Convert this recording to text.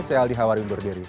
saya aldi hawari undur diri